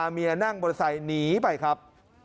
เมียนั่งบริษัทหนีไปครับ